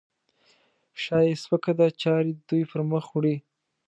شا یې سپکه ده؛ چارې دوی پرمخ وړي.